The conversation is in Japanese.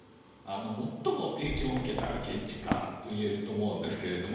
最も影響を受けた建築家と言えると思うんですけれども。